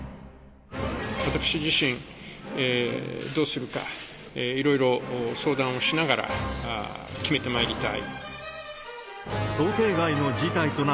私自身どうするか、いろいろ相談をしながら決めてまいりたい。